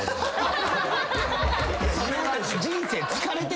それは。